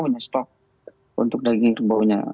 hanya stok untuk daging kerbaunya